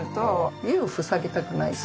家を塞ぎたくないし。